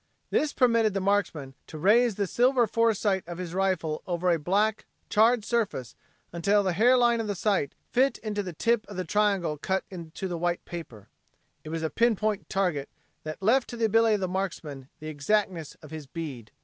This permitted the marksman to raise the silver foresight of his rifle over a black, charred surface until the hairline of the sight fit into the tip of the triangle cut into white paper. It was a pinpoint target that left to the ability of the marksman the exactness of his bead.